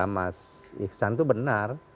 mas iksan itu benar